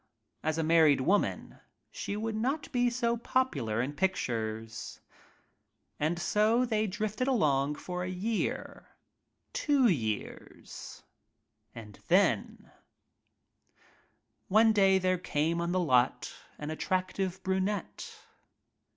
As a married woman she would not be so popular in pictures. And so they drifted along for a year — two years — and then — One day there came on the "lot" an attractive brunette.